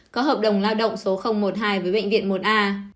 có hợp đồng lao động số một mươi hai với bệnh viện một a